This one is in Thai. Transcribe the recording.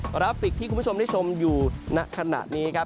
กราฟิกที่คุณผู้ชมได้ชมอยู่ณขณะนี้ครับ